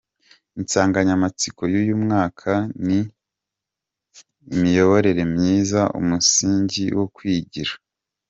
Insanganyamatsiko y’uyu mwaka ni “Imiyoborere Myiza: Umusingi wo kwigira.